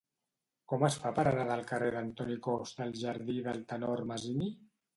Com es fa per anar del carrer d'Antoni Costa al jardí del Tenor Masini?